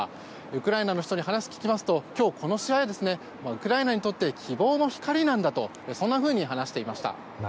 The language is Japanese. ウクライナの人に話を聞きますと今日、この試合はウクライナにとって希望の光なんだとそんなふうに話していました。